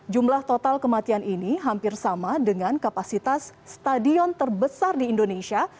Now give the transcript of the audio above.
jumlah total kematian ini hampir sama dengan kapasitas stadion terbesar di indonesia